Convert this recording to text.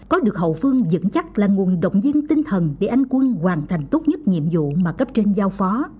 có được hậu phương dẫn chắc là nguồn động viên tinh thần để anh quân hoàn thành tốt nhất nhiệm vụ mà cấp trên giao phó